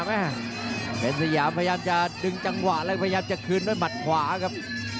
แม่เป็นสยามพยายามจะดึงจังหวะและพยายามจะคืนด้วยหมัดขวาครับ